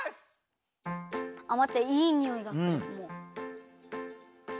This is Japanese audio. あっまっていいにおいがするもう。